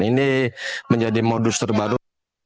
ini menjadi modus terbaru